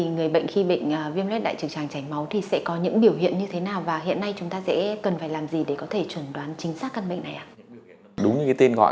người bệnh khi bị viêm lết đại trực tràng trầy máu cần kiểm tra sức khỏe định kỳ